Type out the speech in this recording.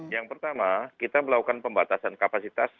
yang pertama kita melakukan pembatasan kapasitas